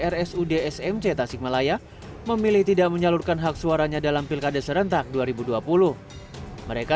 rsud smc tasikmalaya memilih tidak menyalurkan hak suaranya dalam pilkada serentak dua ribu dua puluh mereka